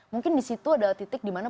mungkin disitu adalah titik dimana